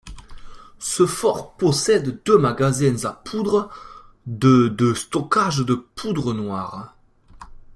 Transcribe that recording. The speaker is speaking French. Ce fort possède deux magasins à poudre de de stockage de poudre noire.